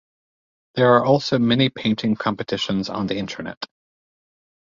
There are also many painting competitions on the internet.